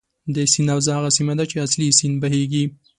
د سیند حوزه هغه سیمه ده چې اصلي سیند بهیږي.